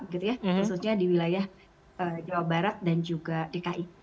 khususnya di wilayah jawa barat dan juga dki